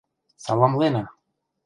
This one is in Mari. Саламлена!..